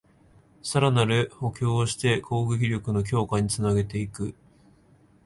さらなる補強をして攻撃力の強化につなげていく